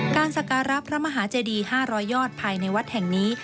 สการะพระมหาเจดี๕๐๐ยอดภายในวัดแห่งนี้